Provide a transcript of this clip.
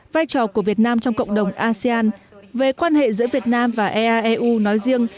vai trò của việt nam trong cộng đồng asean về quan hệ giữa việt nam và eaeu nói riêng